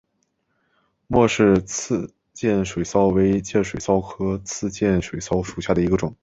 莫氏刺剑水蚤为剑水蚤科刺剑水蚤属下的一个种。